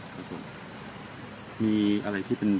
สวัสดีครับทุกคน